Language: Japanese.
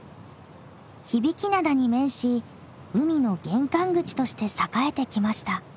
響灘に面し海の玄関口として栄えてきました。